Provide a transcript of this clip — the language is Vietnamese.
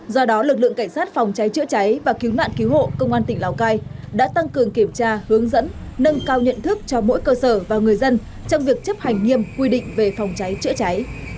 do đó lực lượng cảnh sát phòng cháy chữa cháy và cứu nạn cứu hộ công an tỉnh lào cai đã tăng cường kiểm tra hướng dẫn nâng cao nhận thức cho mỗi cơ sở và người dân trong việc chấp hành nghiêm quy định về phòng cháy chữa cháy